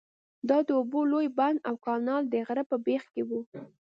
دا د اوبو لوی بند او کانال د غره په بیخ کې وو.